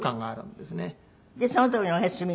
でその時にお休みになる。